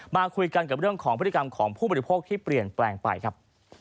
มาคุยกันกับเรื่องของพฤติกรรมของผู้บริโภคที่เปลี่ยนแปลงไปครับ